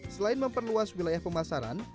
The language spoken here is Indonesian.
selain memperluas wilayah pemasaran